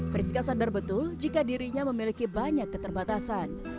priska sadar betul jika dirinya memiliki banyak keterbatasan